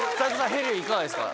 ヘリいかがですか？